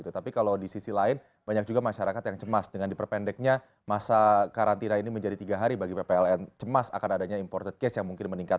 tapi kalau di sisi lain banyak juga masyarakat yang cemas dengan diperpendeknya masa karantina ini menjadi tiga hari bagi ppln cemas akan adanya imported case yang mungkin meningkat